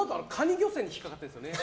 漁船に引っかかってるんですよね。